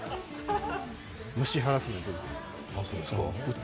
無視ハラスメントです。